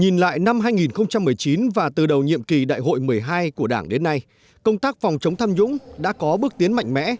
nhìn lại năm hai nghìn một mươi chín và từ đầu nhiệm kỳ đại hội một mươi hai của đảng đến nay công tác phòng chống tham nhũng đã có bước tiến mạnh mẽ